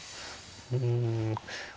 うん。